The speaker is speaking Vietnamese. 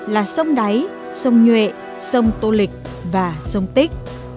là sông đáy sông nhuệ sông tô lịch và sông tích